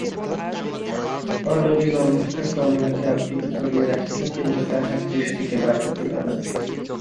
অনাবিল অন্ধকার কমলাকে আবৃত করিয়া রাখিল, কিন্তু তাহার দৃষ্টিকে বাধা দিল না।